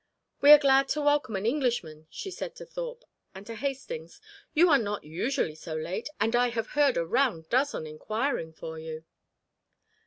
"We are glad to welcome an Englishman," she said to Thorpe; and to Hastings: "You are not usually so late, and I have heard a round dozen inquiring for you."